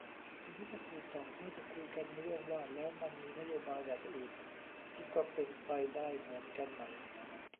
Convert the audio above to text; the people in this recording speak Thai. ทีนี้ถ้าคุยต่อ น่าจะคุยกันเรื่องว่า แล้วมันมีนโยบายแบบอื่น ที่ก็เป็นไปได้เหมือนกันไหม